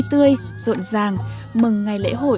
tất cả hòa quyện thành một bản nhạc vui chơi